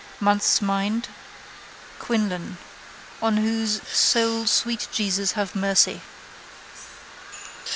Month's mind: Quinlan. On whose soul Sweet Jesus have mercy.